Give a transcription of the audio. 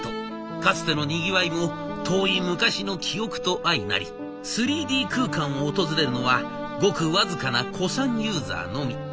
かつてのにぎわいも遠い昔の記憶と相成り３Ｄ空間を訪れるのはごく僅かな古参ユーザーのみ。